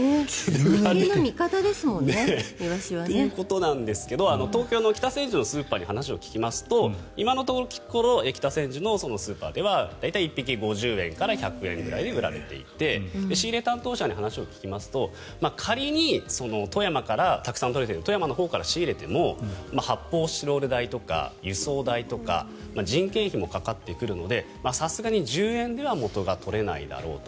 庶民の味方ですもんね。ということなんですが東京の北千住のスーパーに話を聞きますと今のところ北千住のスーパーでは大体１匹５０円から１００円くらいで売られていて仕入れ担当者に話を聞きますと仮に、たくさん取れている富山のほうから仕入れても発泡スチロール代とか輸送代とか人件費もかかってくるのでさすがに１０円では元が取れないだろうと。